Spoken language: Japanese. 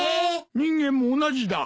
人間も同じだ。